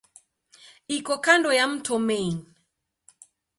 Iko kando ya mto Main.